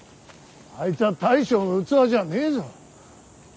あいつは大将の器じゃねえぞ。